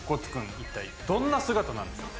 一体どんな姿なんでしょうか。